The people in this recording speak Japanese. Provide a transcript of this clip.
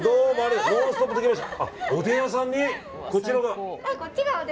「ノンストップ！」で来ました。